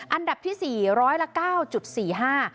อันดับที่สี่ร้อยละเก้าจุดสี่ห้า